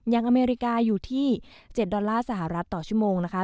อเมริกาอยู่ที่๗ดอลลาร์สหรัฐต่อชั่วโมงนะคะ